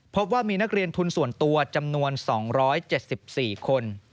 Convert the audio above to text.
พบว่ามีนักเรียนทุนส่วนตัวจำนวน๒๗๔คน